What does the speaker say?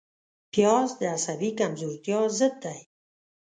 پیاز د عصبي کمزورتیا ضد دی